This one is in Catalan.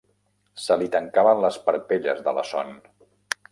Se li tancaven les parpelles de la son.